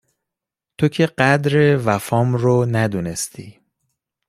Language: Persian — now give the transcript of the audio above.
تو که قدر وفام رو ندونستی